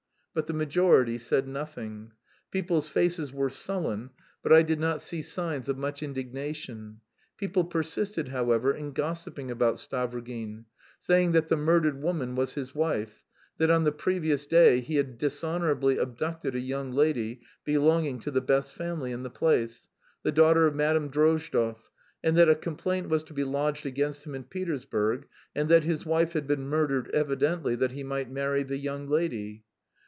But the majority said nothing. People's faces were sullen, but I did not see signs of much indignation. People persisted, however, in gossiping about Stavrogin, saying that the murdered woman was his wife; that on the previous day he had "dishonourably" abducted a young lady belonging to the best family in the place, the daughter of Madame Drozdov, and that a complaint was to be lodged against him in Petersburg; and that his wife had been murdered evidently that he might marry the young lady.